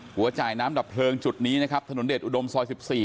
หัวจ่ายน้ำดับเพลิงจุดนี้นะครับถนนเดชอุดมซอย๑๔